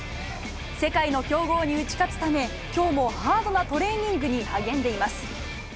世界の強豪に打ち勝つため、きょうもハードなトレーニングに励んでいます。